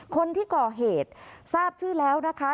คนที่ก่อเหตุทราบชื่อแล้วนะคะ